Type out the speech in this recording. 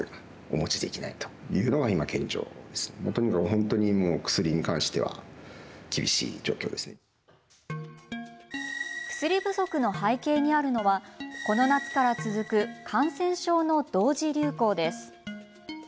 やっぱり薬がないんで薬不足の背景にあるのはこの夏から続く感染症の同時流行です。